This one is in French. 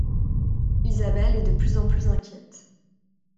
Isabel est de plus en plus inquiète.